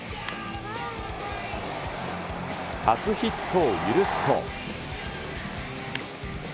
初ヒットを許すと。